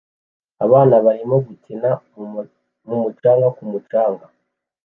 Abana barimo gukinira mu mucanga ku mucanga